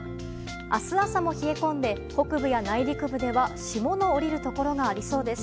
明日朝も冷え込んで北部や内陸部では霜の降りる所がありそうです。